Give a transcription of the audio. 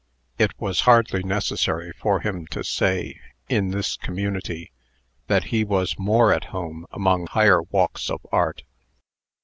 It was hardly necessary for him to say, in this community, that he was more at home among higher walks of Art.